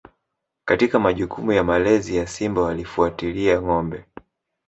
Katika majukumu ya malezi ya Simba walifuatilia ngombe